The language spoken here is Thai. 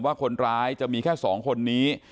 ว่าคนร้ายจะมีแค่๒คนนี้